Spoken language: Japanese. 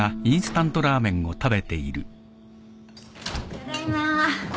・ただいま。